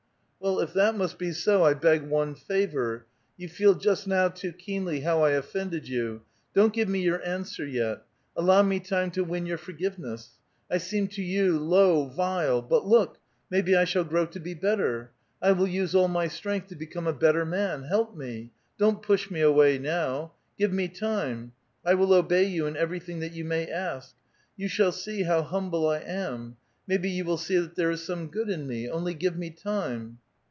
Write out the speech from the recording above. '' Well, if that must be so, I beg one favor ; you feel just now too keenly how I offended you; don't give me your answer yet; allow me time to win your forgive ness ! I seem to you low, vile ; but look, maybe I shall grow to be better; I will use all my strength to become a better man ; help me ! Don't push me away now ! Give me time ! I will obey you in everything that you may ask ; you shall see how humble I am ; maybe you will see that there is some good in me ; only give me time